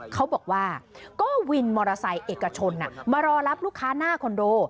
เขาบอกว่าก็วินมอเตอร์ไซค์เอกชนมารอรับลูกค้าหน้าคอนโด